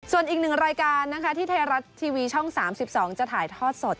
ส่วนอีกหนึ่งรายการที่เทราะท์ทีวีช่อง๓๒จะถ่ายทอดสด